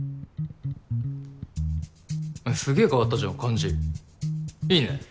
すげぇ変わったじゃん感じいいね。